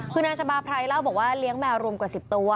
คือนางชะบาไพรเล่าบอกว่าเลี้ยงแมวรวมกว่า๑๐ตัว